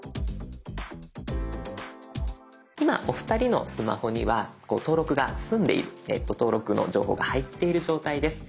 今お二人のスマホには登録が済んでいる登録の情報が入っている状態です。